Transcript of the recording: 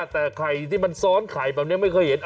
แต่ไข่ที่มันซ้อนไข่แบบนี้ไม่เคยเห็น